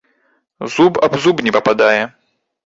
Зуб аб зуб не пападае.